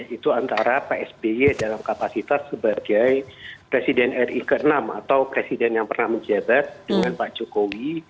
itu antara pak sby dalam kapasitas sebagai presiden ri ke enam atau presiden yang pernah menjabat dengan pak jokowi